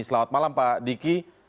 selamat malam pak diki